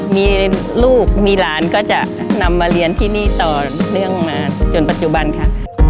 มีลูกมีหลานก็จะนำมาเรียนที่นี่ต่อเนื่องมาจนปัจจุบันค่ะ